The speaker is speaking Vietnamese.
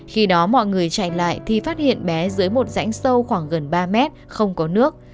khi đó mọi người chạy lại thì phát hiện bé dưới một rãnh sâu khoảng gần ba mét không có nước